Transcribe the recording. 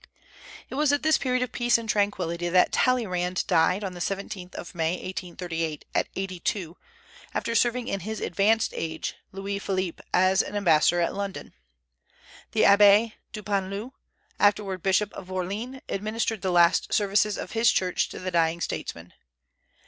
It was at this period of peace and tranquillity that Talleyrand died, on the 17th of May, 1838, at eighty two, after serving in his advanced age Louis Philippe as ambassador at London. The Abbé Dupanloup, afterward bishop of Orléans, administered the last services of his church to the dying statesman.